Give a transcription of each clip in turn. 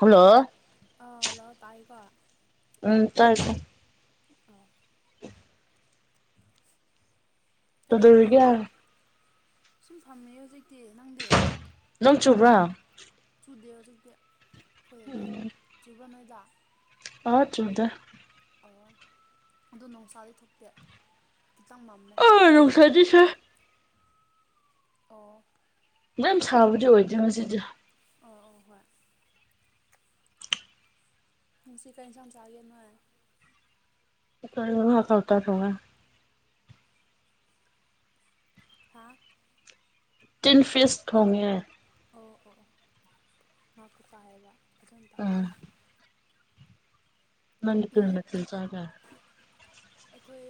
Hello ꯑ hello ꯇꯥꯏꯀꯣ ꯎꯝ ꯇꯥꯏ ꯇ ꯑꯥꯐ ꯀꯗꯧꯔꯤꯅꯣ ꯀꯩꯗꯧꯔꯤꯒꯦ ꯁꯨꯝ ꯊꯝꯃꯦ ꯍꯧꯖꯤꯛꯇꯤ ꯅꯪꯗꯤ ꯅꯪ ꯆꯨꯕ꯭ꯔꯥ ꯆꯨꯗꯦ ꯍꯧꯖꯤꯛꯇꯤ ꯑꯩꯈꯣꯏ ꯍꯧꯖꯤꯛ ꯆꯨꯕ ꯅꯣꯏꯗ ꯑ ꯆꯣꯗ ꯑꯣ ꯑꯗꯨꯣ ꯣꯡꯁꯥꯗꯤ ꯊꯣꯛꯄꯦ ꯈꯤꯇꯪ ꯀ ꯑꯅꯧ ꯁꯥꯖꯤꯗꯤ ꯁꯥ ꯑꯣ ꯌꯥꯝ ꯁꯥꯕꯗꯤ ꯑꯣꯏꯗꯦ ꯉꯁꯤꯗꯤꯦ ꯑꯣ ꯑꯣ ꯍꯣꯏ ꯉꯁꯤ ꯀꯔꯤ ꯁꯥꯡ ꯆꯥꯒꯦ ꯅꯣꯏ ꯍꯥꯧ ꯇ ꯊꯧꯒ ꯍꯥꯥ ꯇꯤꯟ ꯐꯤꯁꯇ ꯍꯣꯡꯒꯦ ꯑꯣ ꯑꯣ ꯑꯣ ꯉꯥꯛꯇꯨ ꯇꯥꯏꯌꯦꯕ ꯐꯖꯅ ꯎꯝ ꯇꯥꯍꯧꯗꯦꯕ ꯌꯨꯝꯗ ꯃꯅꯤꯄꯨꯔꯅꯁꯤꯜ ꯆꯒ ꯑꯩꯈꯣꯏ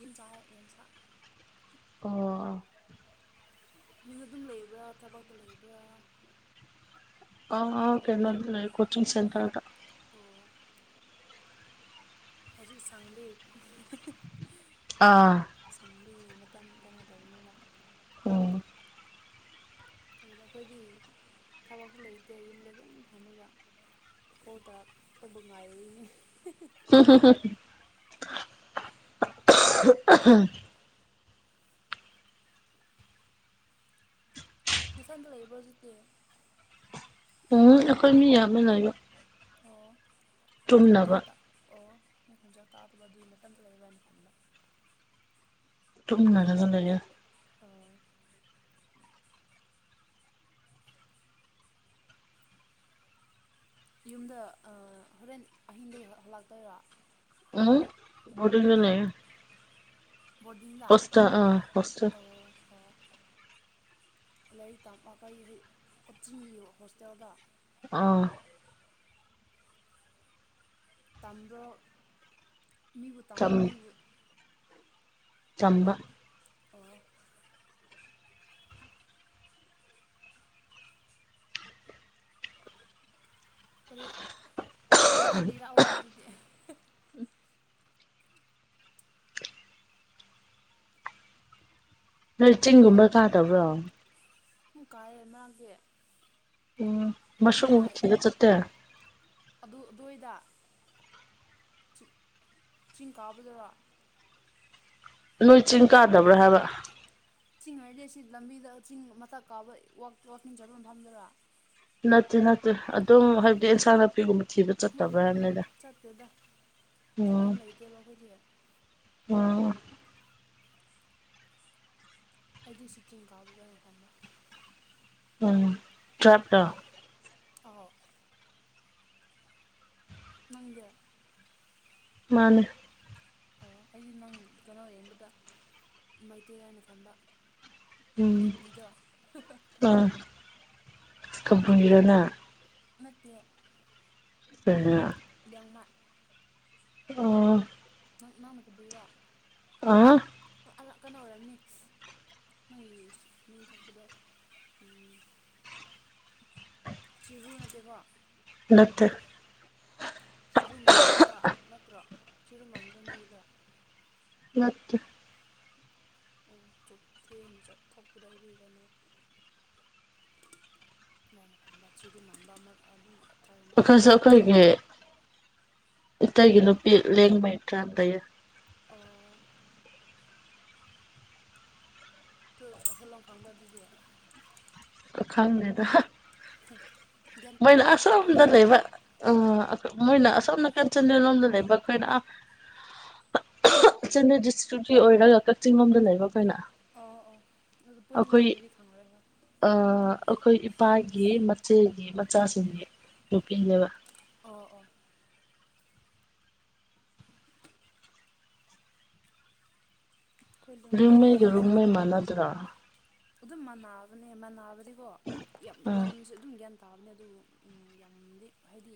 ꯌꯦꯟꯖꯥꯛ ꯌꯦꯟꯁ ꯑꯣ ꯌꯨꯝꯗ ꯑꯗꯨꯝ ꯂꯩꯕ꯭ꯔꯥ ꯊꯕꯛꯇ ꯂꯩꯕ꯭ꯔꯥ ꯑ ꯀꯦꯣ ꯂꯩ ꯀꯆꯤꯡ ꯁꯦꯟꯔꯣ ꯑꯣ ꯍꯧꯖꯤꯛ ꯁꯥꯡꯕ ꯑꯥ ꯁꯪꯕꯤꯒꯤ ꯃꯇꯝ ꯄꯦꯅ ꯇꯧꯕꯅꯦꯕ ꯑꯣ [unintelligible] ꯑꯩꯈꯣꯏꯗꯤ ꯊꯕꯛꯁꯨ ꯂꯩꯇꯦ ꯌꯨꯝꯗ ꯑꯗꯨꯝ ꯐꯝꯃꯒ ꯀꯣꯜ ꯇꯧꯔꯛꯄꯕꯨ ꯉꯥꯏꯔꯤꯅꯦ [unintelligible] ꯅꯊꯟꯇ ꯂꯩꯕ꯭ꯔꯣ ꯑꯗꯨꯗꯤ ꯎꯝ ꯑꯩꯈꯣꯏ ꯃꯤ ꯌꯥꯝꯃꯦ ꯂꯩꯕ ꯑꯣ ꯃꯤ ꯈꯨꯟꯖꯥ ꯇꯨꯝꯅꯕ ꯇ ꯑꯣ ꯃꯤ ꯈꯨꯣꯟꯖꯥ ꯇꯥꯗꯕ ꯑꯗꯨꯏ ꯅꯇꯟꯗ ꯂꯩ ꯍꯥꯏꯅ ꯈꯟꯕ ꯇꯨꯞꯅ ꯅꯅꯥꯅ ꯂꯩ ꯑ ꯌꯨꯝꯗ ꯍꯣꯔꯦꯟ ꯑꯍꯤꯡꯗꯒꯤꯩ ꯍꯜꯂꯇꯣꯏꯔꯣ ꯎꯝ ꯇ ꯍꯅꯅꯦ ꯕꯣꯔꯗꯤꯡꯗ ꯑꯥ ꯍꯣꯁꯇꯦꯜ ꯑꯣ ꯍꯣ ꯂꯥꯏꯔꯤꯛ ꯇ ꯀꯩ ꯀꯆꯤꯡꯒꯤ ꯍꯣꯁꯇꯦꯜꯗ ꯑꯥ ꯇꯥꯝꯕ꯭ꯔꯣ ꯃꯤꯕꯨ ꯇꯝ ꯆꯝ ꯃꯤꯕꯨ ꯆꯝꯕ ꯑꯣ ꯋꯥꯔꯤ ꯋꯥꯔꯤ ꯂꯤꯔꯛꯑꯣꯅꯦ ꯑꯗꯨꯗꯤ ꯅꯣꯏ ꯆꯤꯡꯒꯨꯝꯕ ꯀꯥꯗꯕ꯭ꯔꯣ ꯎꯝ ꯀꯥꯏꯌꯦ ꯃꯔꯥꯡꯗꯤ ꯎꯝ ꯃꯁ꯭ꯔꯨꯝꯒꯨꯝꯕ ꯊꯤꯕ ꯆꯠꯇꯦ ꯑꯗꯨ ꯑꯗꯨꯋꯥꯏꯗ ꯆꯤ ꯆꯤꯡ ꯀꯥꯕꯗꯔꯣ ꯅꯣꯏ ꯆꯤꯡ ꯀꯥꯗꯕ꯭ꯔꯥ ꯍꯥꯏꯕ ꯆꯤꯡ ꯍꯥꯏꯔꯗꯤ ꯁꯤ ꯂꯝꯕꯤꯗ ꯆꯤꯡ ꯃꯆꯥ ꯀꯥꯕ ꯋꯥꯛ ꯋꯥꯛꯀꯤꯡ ꯆꯠꯄ ꯐꯝꯗꯨꯔꯣ ꯅꯠꯇꯦ ꯅꯠꯇꯦ ꯑꯗꯨꯝ ꯍꯥꯏꯕꯗꯤ ꯏꯟꯁꯥꯡ ꯅꯥꯄꯤꯒꯨꯝꯕ ꯊꯤꯕ ꯆꯠꯇꯕ꯭ꯔꯥ ꯍꯥꯏꯕꯅꯤꯗ ꯆꯠꯇꯦꯗ ꯊꯤꯐꯝ ꯂꯩꯇꯦꯕ ꯑꯩꯈꯣꯏꯗꯤ ꯑꯣ ꯑꯩꯗꯤ ꯁꯤ ꯆꯤꯡ ꯀꯥꯕꯗꯨꯔꯣꯅ ꯈꯟꯕ ꯎꯝ [unintelligible] ꯑꯧ ꯅꯪꯗꯤ ꯃꯥꯅꯦ ꯑꯣ ꯑꯩꯗꯤ ꯅꯪ ꯀꯅꯣ ꯌꯦꯡꯕꯗ ꯃꯩꯇꯩꯔꯥꯅ ꯈꯟꯕ ꯗꯤ ꯄꯤꯗꯣ ꯑ ꯀꯕꯨꯨꯏꯔꯣꯅ ꯅꯠꯇꯦ [unintelligible] ꯂꯤꯌꯡꯃꯥ ꯑꯣ ꯅꯪ ꯅꯪꯅ ꯀꯕꯨꯨꯏꯔꯣ ꯑꯍ ꯑ ꯀꯩꯅꯣ ꯑꯣꯏꯔꯝꯅꯤ ꯅꯪꯒꯤ [unintelligible] ꯃꯤꯡ ꯊꯣꯛꯄꯗꯣ ꯎꯝ ꯆꯤꯔꯨ ꯅꯠꯇꯦꯀꯣ ꯅꯠꯇꯦ ꯆꯤꯔꯨꯃꯟꯕ꯭ꯔ ꯅꯠꯇ꯭ꯔꯣ ꯆꯤꯔꯨꯃꯟꯗ꯭ꯔꯣ ꯅꯣꯏꯒꯤꯗꯣ ꯅꯠꯇꯦ ꯑꯣ ꯆꯣꯠꯊꯦꯅ ꯆꯠꯊꯣꯛꯄꯗꯣ ꯑꯩꯗꯤ ꯀꯩꯅꯣ ꯂꯥꯏꯅ ꯈꯟꯕ ꯆꯤꯔꯨ ꯃꯥꯟꯕ ꯑꯃ ꯑꯗꯨꯝ ꯇ꯭ꯔꯥꯏꯕ ꯑꯃ ꯑꯩꯈꯣꯏꯁꯨ ꯂꯩꯌꯦꯅ ꯑꯩꯈꯣꯏꯒꯤ ꯏꯇꯩꯒꯤ ꯅꯨꯄꯤ ꯂꯦꯡꯃꯩ ꯇ꯭ꯔꯥꯏꯞ ꯂꯩꯌꯦ ꯑꯣ ꯇꯨ ꯑꯈꯣꯏ ꯂꯣꯟ ꯈꯪꯕ꯭ꯔꯥ ꯑꯗꯨꯗꯤ ꯈꯪꯗꯦꯗ ꯒ꯭ꯌꯥꯟ ꯃꯣꯏꯅ ꯁꯨ ꯇꯥꯗꯦ ꯑꯁꯣꯝꯗ ꯃꯣꯏꯅ ꯂꯩꯕ ꯑꯣ ꯑꯥ ꯃꯣꯏꯅ ꯑꯁꯣꯝ ꯅꯥꯀꯟ ꯆꯟꯗꯦꯜ ꯂꯣꯝꯗ ꯂꯩꯕ ꯑꯩꯈꯣꯏꯅ ꯆꯥꯟꯗꯦꯜ ꯗꯤꯁꯇ꯭ꯔꯤꯛꯀꯤ ꯑꯣꯏꯔꯒ ꯀꯛꯆꯤꯡ ꯂꯣꯝꯗ ꯂꯩꯕ ꯑꯈꯣꯏꯅ ꯑꯣ ꯑꯣ ꯑꯗꯨ ꯄꯨꯟꯅ ꯂꯩꯗ꯭ꯔꯗꯤ ꯈꯪꯉꯔꯣꯏ ꯍꯣꯏ ꯑ ꯑꯩꯈꯣꯏ ꯏꯄꯥꯒꯤ ꯃꯆꯦꯒꯤ ꯃꯆꯥꯁꯤꯡꯒꯤ ꯅꯨꯄꯤꯅꯦꯕ ꯑꯣ ꯑꯣ ꯑꯩꯈꯣꯏ ꯂꯣꯝꯗꯤ ꯔꯨꯝꯃꯩꯒ ꯍꯤ ꯍꯥ ꯔꯨꯝꯃꯩ ꯃꯥꯟꯅꯗ꯭ꯔꯣ ꯑꯗꯨꯝ ꯃꯅꯥꯕꯅꯦ ꯃꯅꯥꯕꯗꯤꯀꯣ ꯌꯥꯝ ꯑꯥ ꯂꯣꯟꯁꯨ ꯑꯗꯨꯝ ꯒ꯭ꯌꯥꯟ ꯇꯥꯕꯅꯦ ꯑꯗꯨꯕꯨ ꯎꯝ ꯌꯥꯝꯗꯤ ꯍꯥꯏꯗꯤ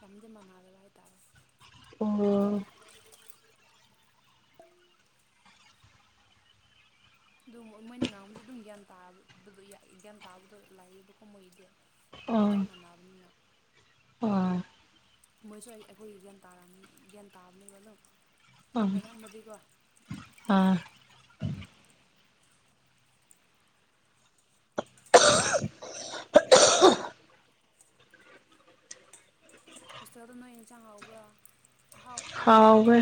ꯌꯥꯝꯗꯤ ꯃꯥꯟꯅꯗꯕ ꯍꯥꯏꯇꯥꯔꯦ ꯑꯣ ꯑꯗꯨꯝ ꯃꯣꯏꯅ ꯉꯥꯡꯕꯁꯦ ꯑꯗꯨꯝ ꯒ꯭ꯌꯥꯟ ꯇꯥꯕꯗꯣ ꯒ꯭ꯌꯥꯟ ꯇꯥꯕꯗꯣ ꯂꯩꯌꯦꯕꯀꯣ ꯃꯣꯏꯒꯤꯗꯤ ꯈꯤꯇꯪ ꯃꯥꯟꯅꯕꯅꯤꯅ ꯑꯣ ꯃꯣꯏꯁꯨ ꯑꯩ ꯑꯩꯈꯣꯏꯒꯤ ꯒ꯭ꯌꯥꯟ ꯇꯥꯔꯝꯅꯤ ꯒ꯭ꯌꯥꯟ ꯇꯥꯕꯅꯦꯕ ꯑꯗꯨꯝ ꯄꯥꯡ ꯑꯌꯥꯝꯕꯗꯤꯀꯣ ꯑꯥ ꯂꯧꯁꯤꯟꯕ ꯉꯝꯗꯕ ꯍꯣꯁꯇꯦꯜꯗ ꯅꯣꯏ ꯏꯟꯁꯥꯡ ꯍꯥꯎꯕ꯭ꯔꯥ ꯑꯍꯥꯎ ꯑꯍꯥꯎꯕ ꯄꯤꯕ꯭ꯔꯥ ꯍꯥꯎꯋꯦ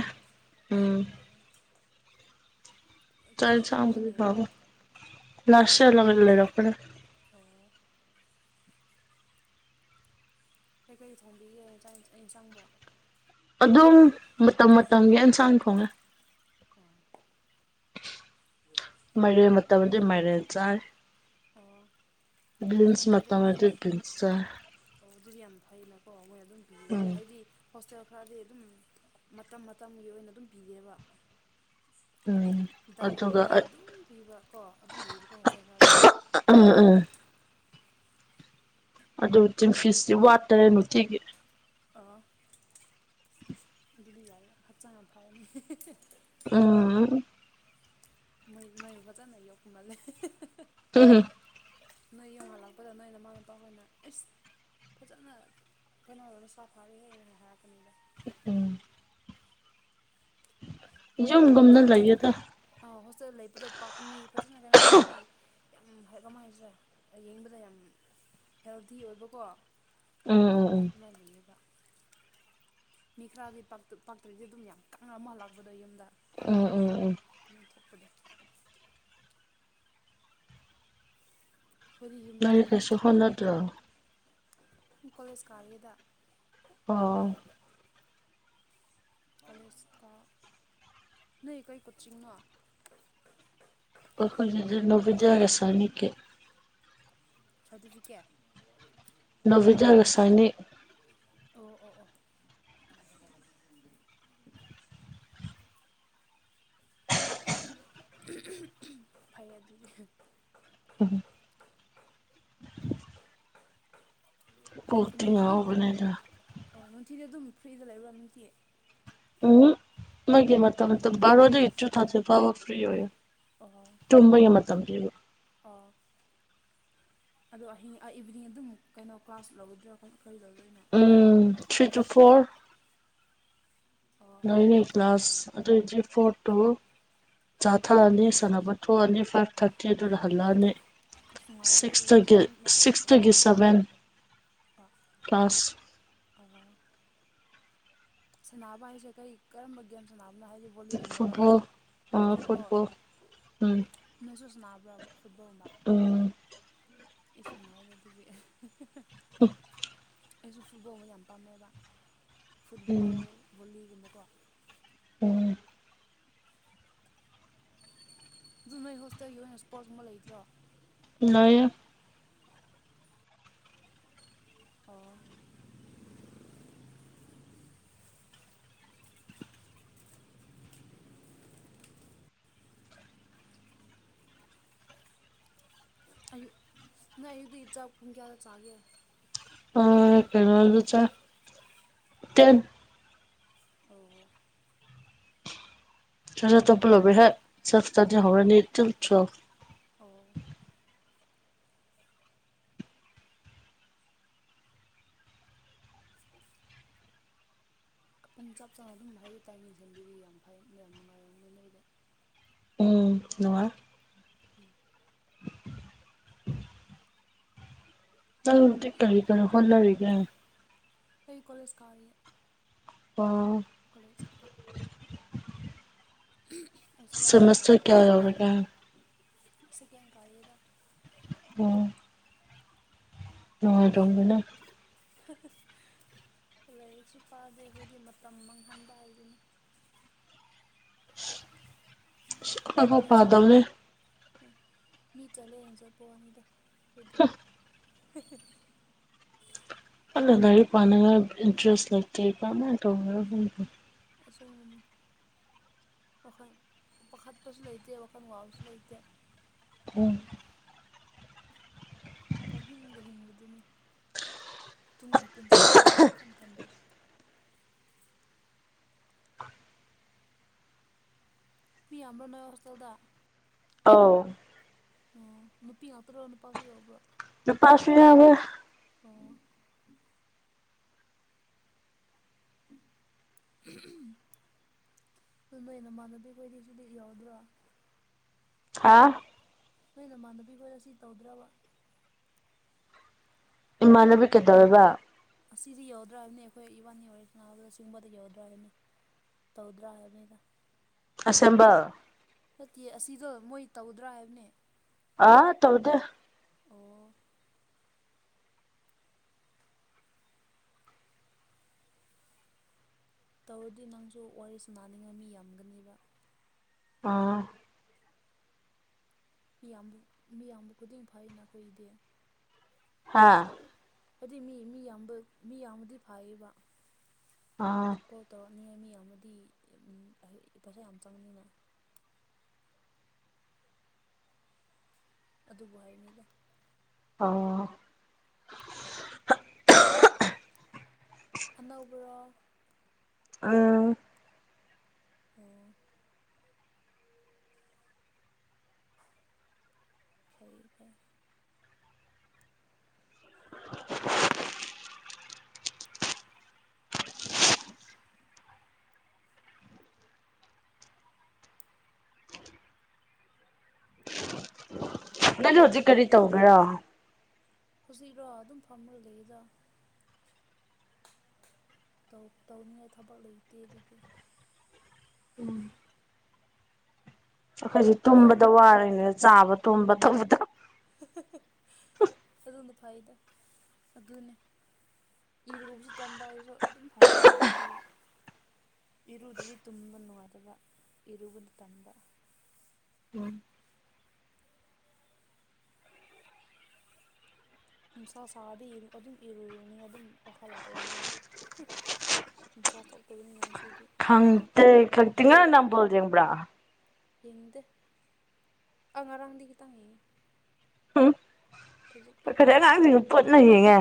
ꯎꯝ ꯑꯥ ꯆꯥꯛ ꯀꯌꯥꯝ ꯀꯨꯏꯒꯦ ꯏꯟꯁꯥꯡꯕꯨꯗꯤ ꯂꯩꯕ ꯍꯥꯎꯏ ꯂꯥꯁ ꯏꯌꯔ ꯗꯒꯤ ꯂꯩꯔꯛꯄꯅꯦ ꯑꯣ ꯀꯩꯀꯔꯤ ꯊꯣꯡꯕꯤꯒꯦ ꯆꯥꯛ ꯏꯟ ꯏꯟꯁꯥꯡꯕꯣ ꯑꯗꯨꯝ ꯃꯇꯝ ꯃꯇꯝꯒꯤ ꯑꯦꯟꯁꯥꯡ ꯊꯣꯡꯉꯦ ꯑꯣ ꯃꯥꯏꯔꯦꯟ ꯃꯇꯝꯗꯗꯤ ꯃꯥꯏꯔꯦꯟ ꯆꯥꯏ ꯑꯣ ꯕꯤꯟꯁ ꯍꯣꯏꯗ ꯃꯥꯏꯔꯦꯟ ꯃꯆꯥ ꯃꯇꯝꯗꯗꯤ ꯕꯤꯟꯁ ꯆꯥꯏ ꯑꯣ ꯑꯗꯨꯗꯤ ꯌꯥꯝ ꯐꯩꯅꯀꯣ ꯃꯣꯏ ꯑꯗꯨꯝ ꯄꯤꯔꯗꯤ ꯎꯝ ꯍꯥꯏꯗꯤ ꯍꯣꯁꯇꯦꯜ ꯈꯔꯗꯤ ꯑꯗꯨꯝ ꯃꯇꯝ ꯃꯇꯝꯒꯤ ꯑꯣꯏꯅ ꯑꯗꯨꯝ ꯄꯤꯗꯦꯕ ꯎꯝ ꯗꯥꯜ ꯑꯗꯨꯒ ꯑꯣꯏꯔꯗꯤ ꯗꯥꯜ ꯑꯗꯨꯝ ꯄꯤꯕ ꯀꯣ ꯑꯗꯨꯝ ꯂꯩꯌꯦꯕꯀꯣ ꯍꯣꯁꯇꯦꯜ ꯈꯔꯗꯤ ꯎꯝ ꯎꯝ ꯑꯗꯨꯕꯨ ꯇꯤꯟꯐꯤꯁꯇꯤ ꯋꯥꯠꯇꯔꯦ ꯅꯨꯡꯇꯤꯒꯤ ꯑꯣ ꯑꯗꯨꯗꯤ ꯌꯥꯏꯗ ꯍꯛꯆꯥꯡ ꯌꯥꯝ ꯐꯔꯅꯤ ꯍꯤ ꯍꯤ ꯍꯤ ꯎꯝ ꯃꯣꯏ ꯅꯣꯏꯕꯨ ꯐꯖꯅ ꯌꯣꯛꯄ ꯃꯥꯜꯂꯦ ꯍꯤ ꯍꯤ ꯍꯥ ꯍꯥ ꯍꯨꯝ ꯍꯨꯝ ꯅꯣꯏ ꯌꯨꯝ ꯍꯜꯂꯛꯄꯗ ꯅꯣꯏ ꯅꯃꯥ ꯅꯄꯥ ꯈꯣꯏꯅ ꯑꯩꯁ ꯐꯖꯅ ꯈꯦꯟꯅꯔ ꯅꯁꯥ ꯐꯥꯔꯦꯍꯦꯅ ꯍꯥꯏꯔꯛꯀꯅꯤꯗ ꯎꯝ ꯃꯤꯈꯔꯗꯤ ꯌꯨꯝꯒꯨꯝꯅ ꯍꯣꯁ ꯂꯩꯌꯦꯗ ꯑꯥ ꯍꯣꯁꯇꯦꯜ ꯂꯩꯕꯗꯣ ꯄꯥꯛꯄ ꯃꯤ ꯐꯖꯅ ꯀꯩꯅꯣ ꯇꯧꯔꯗꯤ ꯌꯥꯝ ꯍꯥꯏ ꯀꯥꯃꯥꯏ ꯍꯥꯏꯁꯤꯔꯥ ꯌꯦꯡꯕꯗ ꯌꯥꯝ ꯍꯦꯜꯗꯤ ꯑꯣꯏꯕꯀꯣ ꯎꯝ ꯎꯝ ꯎꯝ ꯗꯨꯃꯥꯏ ꯂꯩꯑꯦꯕ ꯃꯤ ꯈꯔꯗꯤ ꯄꯥꯛꯇ ꯄꯥꯛꯇ꯭ꯔꯗꯤ ꯑꯗꯨꯝ ꯌꯥꯝ ꯀꯪꯅ ꯑꯃ ꯍꯜꯂꯛꯄꯗꯣ ꯌꯨꯝꯗ ꯎꯝ ꯎꯝ ꯎꯝ ꯎꯝ ꯃꯦꯟ ꯊꯣꯛꯄꯗꯣ ꯑꯩꯈꯣꯏꯗꯤ ꯌꯨꯝ ꯌꯨ ꯅꯪꯗꯤ ꯀꯩꯁꯨ ꯍꯣꯁꯇꯦ ꯍꯣꯠꯅꯗ꯭ꯔꯣ ꯎꯝ ꯀꯣꯂꯦꯖ ꯀꯥꯔꯤꯌꯦꯗ ꯑꯣ ꯀꯣꯂꯦꯖ ꯀꯥ ꯅꯣꯏ ꯀꯩ ꯀꯣꯆꯤꯡꯅꯣ ꯑꯈꯣꯏꯒꯤꯗꯨ ꯅꯕꯣꯗ꯭ꯌꯥꯒ ꯁꯥꯏꯅꯤꯛꯀꯤ ꯁꯥꯔꯇꯤꯐꯤꯀꯦꯠ ꯅꯕꯣꯗ꯭ꯌꯥꯒ ꯁꯥꯏꯅꯤꯛ ꯑꯣ ꯑꯣ ꯑꯣ [inaudible] ꯐꯩ ꯑꯗꯨꯗꯤ ꯎꯝ ꯀꯣꯛꯇꯤ ꯑꯗꯨꯝ ꯑꯗꯨꯝ ꯉꯥꯎꯕꯅꯦꯗ ꯑꯗꯣ ꯑꯣ ꯅꯨꯡꯊꯤꯜꯗꯤ ꯑꯗꯨꯝ ꯐ꯭ꯔꯤꯗ ꯂꯩꯕ꯭ꯔꯣ ꯅꯨꯡꯊꯤ ꯎꯝ ꯃꯒꯤ ꯃꯇꯝ ꯕꯥꯔꯣꯗꯒꯤ ꯇꯨ ꯊꯥꯔꯇꯤ ꯐꯥꯎꯕ ꯐ꯭ꯔꯤ ꯑꯣꯏ ꯑꯣ ꯇꯨꯝꯕꯒꯤ ꯃꯇꯝ ꯄꯤꯕ ꯑꯣ ꯑꯗꯣ ꯑꯍꯤꯡ ꯑꯥ ꯏꯚꯤꯅꯤꯡ ꯑꯗꯨꯝ ꯀꯩꯅꯣ ꯀ꯭ꯂꯥꯁ ꯂꯧꯒꯗ꯭ꯔꯥ ꯀꯔꯤ ꯂꯧꯗꯣꯏꯅꯣ ꯎꯝ ꯊ꯭ꯔꯤ ꯇꯨ ꯐꯣꯔ ꯑꯣ ꯅꯣꯏꯅꯦ ꯀ꯭ꯂꯥꯁ ꯑꯗꯨꯗꯤ ꯐꯣꯔ ꯇꯨ ꯆꯥ ꯊꯛꯑꯅꯤ ꯁꯥꯟꯅꯕ ꯊꯣꯛꯑꯅꯤ ꯐꯥꯏꯚ ꯊꯥꯔꯇꯤ ꯑꯗꯨꯗ ꯍꯜꯂꯛꯑꯅꯤ ꯑꯁ ꯅꯨꯡꯉꯥꯏꯗꯗꯣꯏ ꯁꯤꯛꯁꯇꯒꯤ ꯑꯗꯨꯝ ꯃꯇꯝ ꯐꯖꯅ ꯁꯤꯛꯁꯇꯒꯤ ꯁꯚꯦꯟ ꯀ꯭ꯂꯥꯁ ꯑꯋꯥ ꯁꯥꯟꯅꯕ ꯍꯥꯏꯁꯦ ꯀꯔꯤ ꯀꯔꯝꯕ ꯒꯦꯝ ꯁꯥꯟꯅꯕꯅꯣ ꯍꯥꯏꯖꯕꯨ ꯒꯣꯂꯤꯒꯨꯝꯃꯔ ꯐꯨꯠꯕꯣꯜ ꯐꯨꯠꯕꯣꯜ ꯎꯝ ꯅꯣꯏꯁꯨ ꯁꯥꯟꯅꯕ꯭ꯔꯕ ꯐꯨꯠꯕꯣꯜꯗ ꯎꯝ ꯑꯁ ꯅꯨꯉꯥꯏ ꯑꯗꯨꯗꯤ ꯑꯩꯁꯨ ꯐꯨꯠꯕꯣꯜ ꯌꯥꯝ ꯄꯥꯝꯅꯩꯑꯕ ꯎꯝ ꯐꯨꯠꯕꯣꯜ ꯕꯣꯂꯤꯒꯨꯝꯕꯀꯣ ꯎꯝ ꯑꯗꯨ ꯅꯣꯏ ꯍꯣꯁꯇꯦꯜꯒꯤ ꯑꯣꯏꯅ ꯏꯁꯄꯣꯔꯠꯁꯀꯨꯝꯕ ꯂꯩꯗ꯭ꯔꯣ ꯂꯩꯌꯦ ꯑꯣ ꯑꯌꯨꯛ ꯅꯪ ꯑꯌꯨꯛꯇꯤ ꯆꯥꯛ ꯄꯨꯡ ꯀꯌꯥꯗ ꯆꯥꯒꯦ ꯑ ꯀꯩꯅꯣꯗ ꯆꯥꯏ ꯇꯦꯟ ꯑꯣ ꯆꯥꯛ ꯇꯣꯛꯄꯂꯣꯕꯦ ꯍꯦꯛ ꯆꯥꯛ ꯆꯁꯦ ꯍꯧꯔꯗꯤ ꯇꯤꯜ ꯇꯨꯌꯦꯞ ꯑꯣ ꯄꯨꯡ ꯆꯞ ꯆꯥꯅ ꯑꯗꯨꯝ ꯍꯥꯏꯗꯤ ꯇꯥꯏꯃꯤꯡ ꯁꯦꯝꯕꯤ ꯌꯥꯝ ꯐꯩ ꯌꯥꯝ ꯅꯨꯡꯉꯥꯏꯔꯕꯅꯤ ꯅꯣꯏꯗꯤ ꯎꯝ ꯅꯨꯡꯉꯥꯏ ꯎꯝ ꯅꯪꯗꯤ ꯀꯔꯤ ꯀꯔꯤ ꯍꯣꯠꯅꯔꯤꯒꯦ ꯑꯩ ꯀꯣꯂꯁ ꯀꯥꯔꯤꯌꯦ ꯑꯣ ꯀꯂꯦꯁ ꯀꯥ ꯑꯩꯁꯨ ꯂꯥꯁ ꯏꯌꯔꯅ ꯍꯥꯎ ꯁꯦꯃꯦꯁꯇꯔ ꯀꯌꯥ ꯌꯧꯔꯒꯦ ꯁꯀꯦꯟ ꯀꯥꯔꯤꯏꯗ ꯎꯟ ꯅꯨꯉꯥꯏꯔꯝꯒꯅꯤ ꯂꯥꯏꯔꯤꯛꯁꯨ ꯄꯥꯗꯦ ꯑꯩꯈꯣꯏꯗꯤ ꯃꯇꯝ ꯃꯥꯡꯍꯟꯕ ꯍꯥꯏꯗꯨꯅꯤ [inaudible] ꯑꯩꯈꯣꯏꯐꯥꯎ ꯃꯤ ꯆꯠꯂꯦ ꯄꯥꯗꯕꯅꯦ ꯃꯤ ꯆꯠꯂꯦꯅ ꯆꯥꯄꯋꯥꯅꯤꯗ ꯗꯤ ꯀꯟꯅ ꯂꯥꯏꯔꯤꯛ ꯄꯥꯅꯔꯥ ꯏꯟꯇ꯭ꯔꯦꯁ ꯂꯩꯇꯦ ꯀꯃꯥꯏꯅ ꯇꯧꯕꯔ ꯈꯪꯗꯦ ꯫ ꯑꯁꯦꯡꯕꯅꯦ꯫ ꯋꯥꯈꯜ ꯄꯥꯈꯠꯄꯁꯨ ꯂꯩꯇꯦ ꯋꯥꯈꯜ ꯋꯥꯕꯁꯨ ꯂꯩꯇꯦ ꯫ [unintelligible] ꯄꯪꯍꯤꯡꯗ ꯍꯤꯡꯕꯗꯨꯅꯤ ꯇꯨꯡꯒꯤ ꯄꯨꯟꯁꯤꯗ ꯃꯥ ꯁꯨꯡꯈꯟ ꯈꯟꯗ꯭ꯔꯁ ꯃꯤ ꯌꯥꯝꯕ꯭ꯔꯣ ꯅꯣꯏ ꯍꯣꯁꯇꯦꯜꯗ‌ꯣ ꯑꯥꯎ ꯑꯣ ꯅꯨꯄꯤ ꯉꯥꯛꯇꯔꯣ ꯅꯨꯄꯥꯁꯨ ꯌꯥꯎꯕ꯭ꯔꯣ ꯅꯨꯄꯥꯁꯨ ꯌꯥꯎꯋ‌ꯦ ꯑꯣ ꯑꯗꯨ ꯅꯣꯏ ꯅꯃꯥꯟꯅꯕꯤ ꯈꯣꯏꯗꯤ ꯁꯤꯗꯤ ꯌꯥꯎꯗ꯭ꯔꯣ ꯍꯥ ꯅꯣꯏ ꯅꯃꯥꯟꯅꯕꯤ ꯈꯣꯏ ꯉꯁꯤ ꯇꯧꯗ꯭ꯔꯕ ꯏꯃꯥꯟꯅꯕꯤ ꯀꯩꯗꯧꯋꯦꯕ ꯑꯁꯤꯗꯤ ꯌꯧꯗ꯭ꯔꯕꯅꯤ ꯑꯩꯈꯣꯏ ꯏꯕꯥꯅꯤ ꯑꯣꯏꯔꯁꯤꯅꯅꯥꯕꯗ ꯁꯤꯒꯨꯝꯕꯗ ꯌꯧꯗ꯭ꯔꯥ ꯍꯥꯏꯕꯅꯤ ꯇꯧꯗꯔꯥ ꯍꯥꯏꯕꯥꯅꯤꯗ ꯑꯁꯦꯝꯕꯜ ꯅꯠꯇꯦ ꯑꯁꯤꯗꯣ ꯃꯣꯏ ꯇꯧꯗ꯭ꯔꯥ ꯍꯥꯏꯕꯅꯦ ꯑ ꯇꯧꯗꯦ ꯑꯣ ꯇꯧꯔꯗꯤ ꯅꯪꯁꯨ ꯋꯥꯔꯤꯁꯨ ꯁꯥꯅꯅꯤꯡꯉꯥꯏ ꯃꯤ ꯌꯥꯝꯒꯅꯦꯕ ꯫ ꯑꯥ ꯃꯤꯌꯥꯝꯕꯨ ꯃꯤꯌꯥꯝꯕꯨ ꯈꯨꯗꯤꯡ ꯐꯩꯩ ꯅꯈꯣꯏꯗꯤ ꯍꯥꯥ ꯍꯥꯏꯗꯤ ꯃꯤ ꯃꯤ ꯌꯥꯝꯕ ꯃꯤ ꯌꯥꯝꯃꯗꯤ ꯐꯥꯏꯌꯦꯕ ꯑꯥ ꯀꯣꯜ ꯇꯧꯔꯛꯅꯤꯉꯥꯏ ꯃꯤ ꯌꯥꯝꯃꯗꯤ ꯎꯝ ꯑ ꯄꯩꯁꯥ ꯌꯥꯝ ꯆꯪꯅꯤꯅ ꯑꯗꯨꯕꯨ ꯍꯥꯏꯕꯅꯤꯗ ꯑꯣ ꯑꯅꯧꯕꯔꯣ ꯑꯥ ꯑꯣ ꯐꯩꯌꯦ ꯐꯩꯌ‌ꯦ [unintelligible] [unintelligible] ꯅꯪ ꯍꯧꯖꯤꯛ ꯀꯔꯤ ꯇꯧꯕ꯭ꯔꯥ ꯍꯧꯖꯤꯛꯔꯣ ꯑꯗꯨꯝ ꯐꯝꯃꯒ ꯂꯩꯌ‌ꯦꯗ ꯇꯧ ꯇꯧꯅꯤꯡꯉꯥꯏ ꯊꯕꯛ ꯂꯩꯇꯦ ꯑꯗꯨꯒꯤ ꯎꯝ ꯑꯈ‌ꯣꯏꯁ ꯇꯨꯝꯕꯗ ꯋꯥꯔ‌ꯦꯅ‌ꯦ ꯆꯥꯕ ꯇꯨꯝꯕ ꯇꯧꯕꯗ ꯑꯗꯨꯅ ꯐꯩꯗ ꯑꯗꯨꯅꯦ ꯏꯔꯨꯕꯁꯨ ꯇꯟꯕ ꯑꯩꯖꯨ ꯑꯗꯨꯝ ꯐꯝꯔꯥ ꯂꯩꯕꯅ‌ꯦ ꯗꯨꯒꯤ ꯏꯔꯨꯗ꯭ꯔꯗꯤ ꯇꯨꯝꯕ ꯅꯨꯡꯉꯥꯏꯇꯕ ꯏꯔꯨꯕꯗꯤ ꯇꯝꯕ ꯅꯨꯡꯁꯥ ꯁꯥꯔꯗꯤ ꯏ ꯑꯗꯨꯝ ꯏꯔꯨꯔꯨꯅꯤ ꯑꯗꯨꯝ ꯋꯥꯈꯜ ꯂꯥꯛꯑꯦꯕꯀꯣ ꯅꯨꯡꯁꯥ ꯊꯣꯛꯇꯕꯅꯤꯅ ꯉꯁꯤꯗꯤ ꯈꯪꯇ‌ꯦ ꯈꯛꯇꯤ ꯉꯔꯥꯡ ꯅꯨꯡꯗꯥꯡ ꯕꯣꯜ ꯌ‌ꯦꯡꯕ꯭ꯔ ꯌꯦꯡꯗ‌ꯦ ꯑ ꯉꯔꯥꯡꯗꯤ ꯈꯤꯇꯪ ꯌ‌ꯦꯡ ꯎꯝ ꯈꯖꯤꯛꯇ ꯑꯈ‌ꯧꯏꯗꯤ ꯑꯉꯥꯡꯁꯤꯡꯒ ꯄꯨꯟꯅ ꯌꯦꯡꯉꯦ